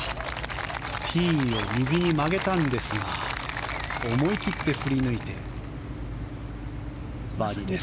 ピンを右に曲げたんですが思い切って振り抜いてバーディーです。